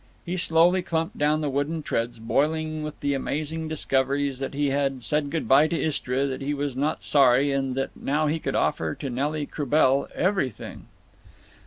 He slowly clumped down the wooden treads, boiling with the amazing discoveries that he had said good by to Istra, that he was not sorry, and that now he could offer to Nelly Croubel everything.